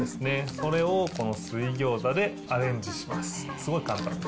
それをこの水餃子でアレンジします。